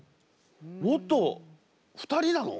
もっと２人なの？